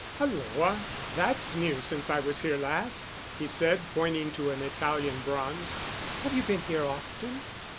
"Hulloa, that's new since I was here last!" he said, pointing to an Italian bronze. "Have you been here often?"